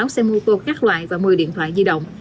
một mươi sáu xe mô tô khác loại và một mươi điện thoại di động